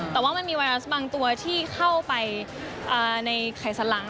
แต่ว่ามันมีไวรัสบางตัวที่เข้าไปในไขสันหลัง